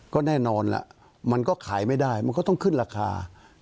ก็แน่นอนล่ะมันก็ขายไม่ได้มันก็ต้องขึ้นราคา